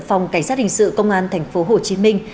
phòng cảnh sát hình sự công an thành phố hồ chí minh